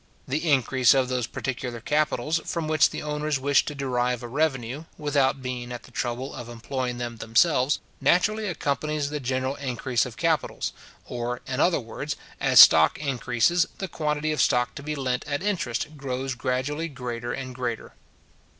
The increase of those particular capitals from which the owners wish to derive a revenue, without being at the trouble of employing them themselves, naturally accompanies the general increase of capitals; or, in other words, as stock increases, the quantity of stock to be lent at interest grows gradually greater and greater.